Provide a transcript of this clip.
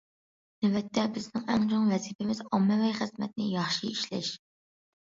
نۆۋەتتە، بىزنىڭ ئەڭ چوڭ ۋەزىپىمىز ئاممىۋى خىزمەتنى ياخشى ئىشلەش.